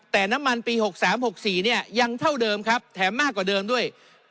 แต่น้ำมันปี๖๓๖๔เนี่ยยังเท่าเดิมครับแถมมากกว่าเดิมด้วย